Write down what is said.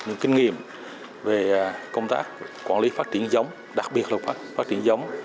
những kinh nghiệm về công tác quản lý phát triển giống đặc biệt là phát triển giống